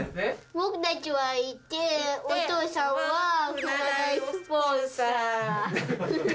僕たちは行って、お父さんは、船代のスポンサー。